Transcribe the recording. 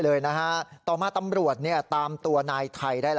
ได้รู้จักวิทยาครับ